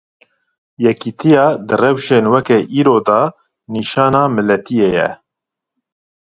Yekîtîya di rewşên weke îro da nîşana miletîyê ye.